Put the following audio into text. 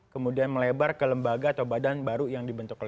kemudian melebar ke lembaga atau badan baru yang dibentuk